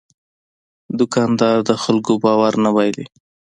دوکاندار د خلکو باور نه بایلي.